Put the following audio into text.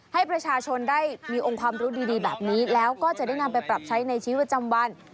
ให้ประชาชนได้มีองค์ความรู้ดีแบบนี้แล้วก็จะได้นำไปปรับใช้ในชีวิตประจำวัน